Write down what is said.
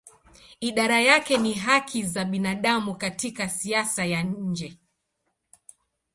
Idara yake ni haki za binadamu katika siasa ya nje.